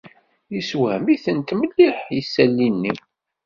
Yessewhem-itent mliḥ yisali-nni.